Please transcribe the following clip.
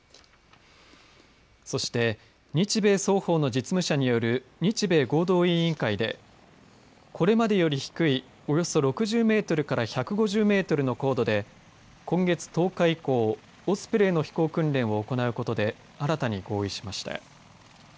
そして、日米双方の実務者による日米合同委員会でこれまでより低いおよそ６０メートルから１５０メートルの高度で今月１０日以降オスプレイの飛行訓練を行うことで新たに合意しました。